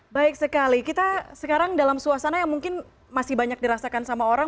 baik sekali kita sekarang dalam suasana yang mungkin masih banyak dirasakan sama orang